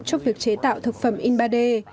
trong việc chế tạo thực phẩm in ba d